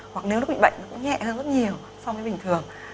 hoặc nếu nó bị bệnh nó cũng nhẹ hơn rất nhiều so với bình thường